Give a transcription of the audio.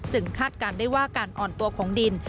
คาดการณ์ได้ว่าการอ่อนตัวของดิน